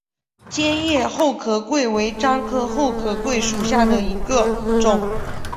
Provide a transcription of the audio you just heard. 尖叶厚壳桂为樟科厚壳桂属下的一个种。